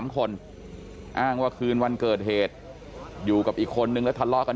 ๓คนอ้างว่าคืนวันเกิดเหตุอยู่กับอีกคนนึงแล้วทะเลาะกัน